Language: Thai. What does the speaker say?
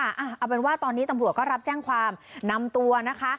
เอาเป็นว่าตอนนี้ตำรวจก็รับแจ้งความนำตัวนะคะ